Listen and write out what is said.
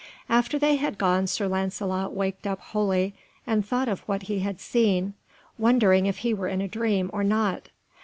After they had gone Sir Lancelot waked up wholly, and thought of what he had seen, wondering if he were in a dream or not.